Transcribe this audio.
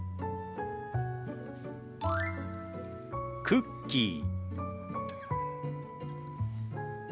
「クッキー」。